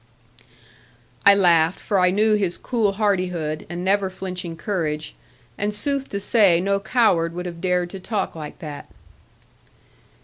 I laughed, for I knew his cool hardihood, and never flinching courage; and sooth to say no coward would have dared to talk like that.